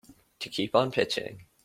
To keep on pitching.